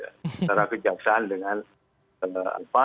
antara kejaksaan dengan apa